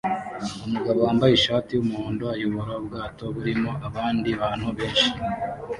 Umugabo wambaye ishati yumuhondo ayobora ubwato burimo abandi bantu benshi